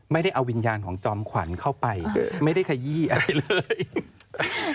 ไม่ได้เอาวิญญาณของจอมขวัญเข้าไปไม่ได้ขยี้อะไรเลย